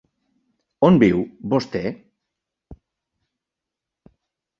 On viu, vostè?